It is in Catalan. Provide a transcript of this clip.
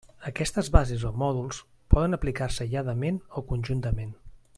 Aquestes bases o mòduls poden aplicar-se aïlladament o conjuntament.